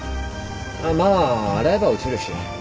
まあ洗えば落ちるし。